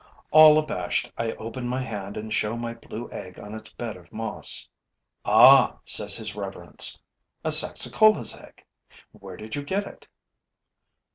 All abashed, I open my hand and show my blue egg on its bed of moss. 'Ah!' says his reverence. 'A Saxicola's egg! Where did you get it?'